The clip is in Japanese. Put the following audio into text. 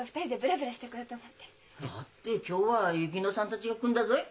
だって今日は薫乃さんたちが来んだぞい。